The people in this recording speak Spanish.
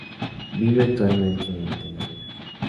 Vive actualmente en Tel Aviv.